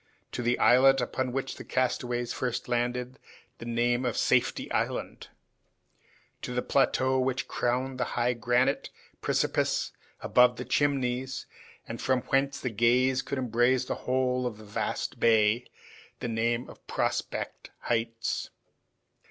To the islet upon which the castaways had first landed, the name of Safety Island; to the plateau which crowned the high granite precipice above the Chimneys, and from whence the gaze could embrace the whole of the vast bay, the name of Prospect Heights.